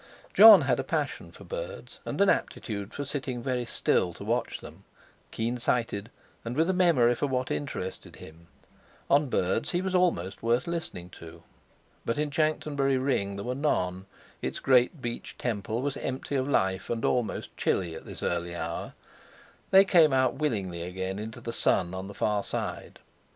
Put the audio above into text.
Jon had a passion for birds, and an aptitude for sitting very still to watch them; keen sighted, and with a memory for what interested him, on birds he was almost worth listening to. But in Chanctonbury Ring there were none—its great beech temple was empty of life, and almost chilly at this early hour; they came out willingly again into the sun on the far side.